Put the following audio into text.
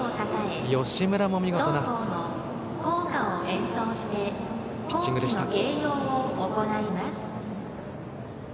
吉村も見事なピッチングでした。